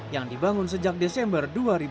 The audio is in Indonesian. yang dibangun sejak desember dua ribu tujuh belas